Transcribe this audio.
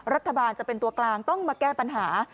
รัฐบาลจะเป็นตัวกลางต้องมาแก้ปัญหา